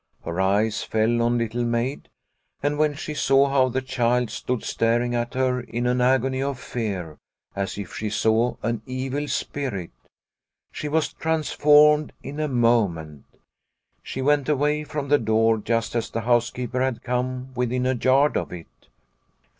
Her eyes fell on Little Maid, and when she saw how the child stood staring at her in an agony of fear, as if she saw an evil spirit, she was trans formed in a moment. The Spinning wheels 27 She went away from the door just as the housekeeper had come within a yard of it.